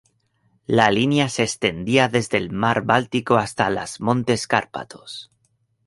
La línea se extendía desde el mar Báltico hasta las montes Cárpatos.